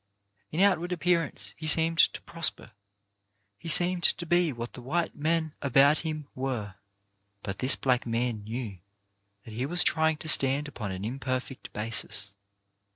In outward appearance he seemed to prosper. He seemed to be what the white men about him were. But this black man knew that he was trying to stand upon an imperfect basis.